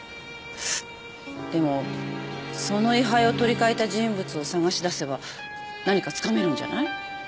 でもその位牌を取り換えた人物を捜し出せば何かつかめるんじゃない？